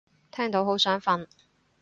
聽到好想瞓